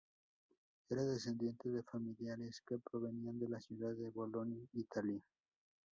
Era descendiente de familiares que provenían de la ciudad de Bolonia, Italia.